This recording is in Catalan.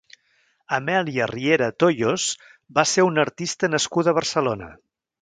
Amèlia Riera Toyos va ser una artista nascuda a Barcelona.